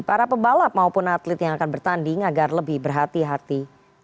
para pebalap maupun atlet yang akan bertanding agar lebih berhati hati